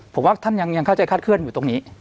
ผมว่าท่านยังเข้าใจคาดเคลื่อนอยู่ตรงนี้